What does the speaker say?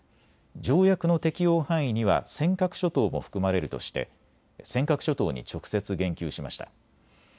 条約の適用範囲には尖閣諸島も含まれるとして尖閣諸島に直接、言及しました。